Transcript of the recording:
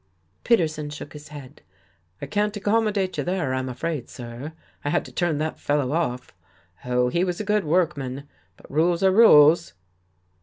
Peterson shook his head. " I can't accommodate you there, I'm afraid, sir. I had to turn that fellow off. Oh, he was a good workman, but rules are rules."